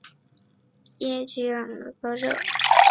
吉耶朗格朗热。